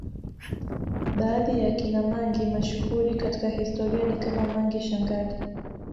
Baadhi ya akina mangi mashuhuri katika historia ni kama Mangi Shangali